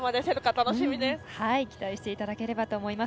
期待していただければと思います。